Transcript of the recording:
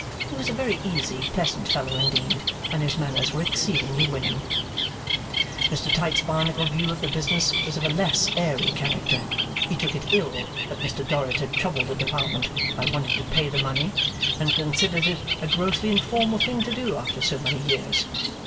He was a very easy, pleasant fellow indeed, and his manners were exceedingly winning. Mr Tite Barnacle's view of the business was of a less airy character. He took it ill that Mr Dorrit had troubled the Department by wanting to pay the money, and considered it a grossly informal thing to do after so many years.